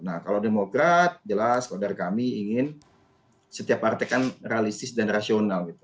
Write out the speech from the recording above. nah kalau demokrat jelas kalau dari kami ingin setiap partai kan realistis dan rasional gitu